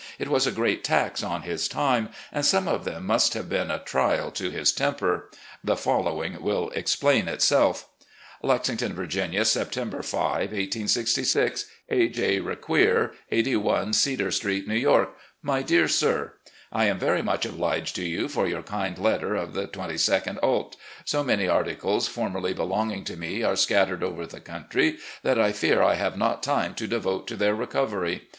It was a great tax on his time, and some of them must have been a trial to his temper. The following will explain itself : "Lexington, Virginia, September 5, 1866. "A. J. Requier, "81 Cedar St., New York. " My Dear Sir; I am very much obliged to you for your kind letter of the 2 2d ult. So many articles formerly be longing to me are scattered over the country that I fear I have not time to devote to their recovery.